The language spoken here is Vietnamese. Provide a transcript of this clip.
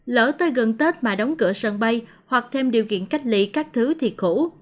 lỡ tới gần tết mà đóng cửa sân bay hoặc thêm điều kiện cách lị các thứ thì khổ